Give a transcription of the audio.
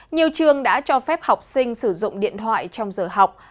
nhiều trường đã cho phép học sinh sử dụng điện thoại trong giờ học